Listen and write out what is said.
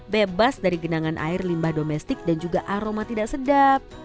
bebas dari genangan air limbah domestik dan juga aroma tidak sedap